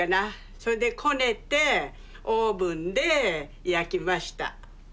それでこねてオーブンで焼きました。